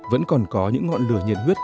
vẫn còn có những ngọn lửa nhiệt huyết